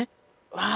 「わあ！」